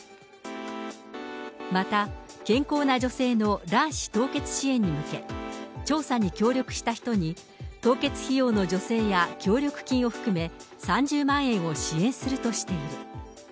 また、健康な女性の卵子凍結支援に向け、調査に協力した人に凍結費用の助成や協力金を含め、３０万円を支援するとしている。